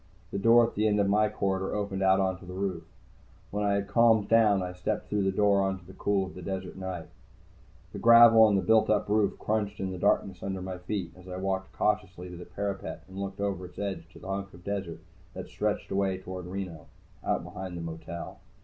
The door at the end of my corridor opened out onto the roof. When I had calmed down, I stepped through the door into the cool of the desert night. The gravel on the built up roof crunched in the darkness under my feet as I walked cautiously to the parapet and looked over its edge to the hunk of desert that stretched away toward Reno, out behind the motel.